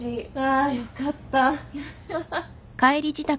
あよかった。